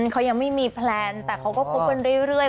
เขายังไม่มีแพลนแต่เขาก็คบกันเรื่อย